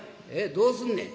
どうすんねん？」。